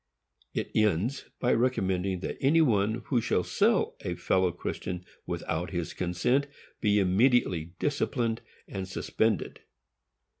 It ends by recommending that any one who shall sell a fellow Christian without his consent be immediately disciplined and suspended.